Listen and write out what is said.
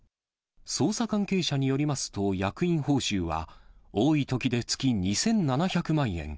捜査関係者によりますと、役員報酬は多いときで月２７００万円。